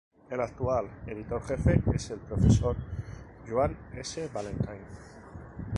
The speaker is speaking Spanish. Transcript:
El actual Editor-Jefe es el Profesor Joan S. Valentine.